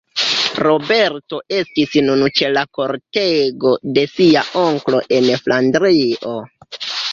Roberto estis nun ĉe la kortego de sia onklo en Flandrio.